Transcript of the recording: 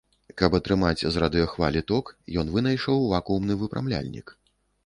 Каб атрымаць з радыёхвалі ток, ён вынайшаў вакуумны выпрамляльнік.